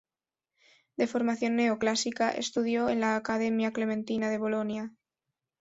De formación neoclásica, estudió en la Accademia Clementina de Bolonia.